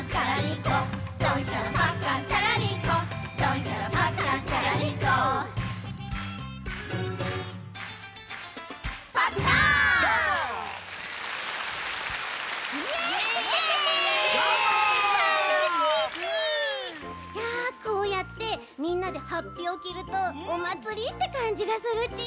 いやこうやってみんなではっぴをきるとおまつりってかんじがするち。